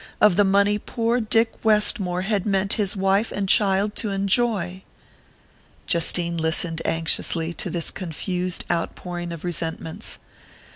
of the money poor Dick Westmore had meant his wife and child to enjoy! Justine listened anxiously to this confused outpouring of resentments.